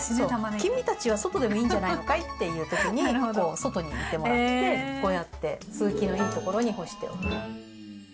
君たちは外でもいいんじゃないのかい？っていう時にこう外にいてもらってこうやって通気のいいところに干しておく。